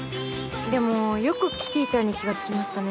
でもよくキティちゃんに気が付きましたね。